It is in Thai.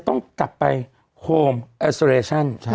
เดลต้าแรก